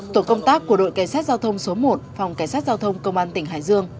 tổ công tác của đội cảnh sát giao thông số một phòng cảnh sát giao thông công an tỉnh hải dương